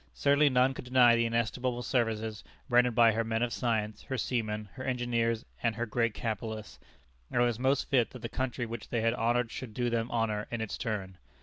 Certainly none could deny the inestimable services rendered by her men of science, her seamen, her engineers, and her great capitalists; and it was most fit that the country which they had honored should do them honor in its turn.